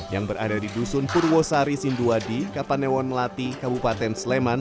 yang berada di dusun purwosari sinduadi kapanewon melati kabupaten sleman